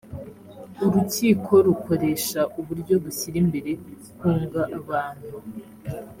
urukiko rukoresha uburyo bushyira imbere kunga abantu